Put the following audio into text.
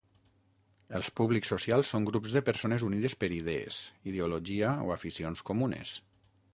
Els públics socials són grups de persones unides per idees, ideologia o aficions comunes.